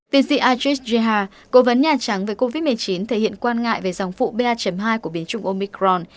tiến sĩ ajit jha cố vấn nhà trắng về covid một mươi chín thể hiện quan ngại về dòng phụ pa hai của biến trùng omicron